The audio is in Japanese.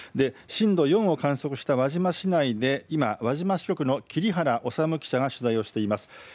震度４を観測した輪島市内で今、輪島市局の桐原司記者が取材をしています。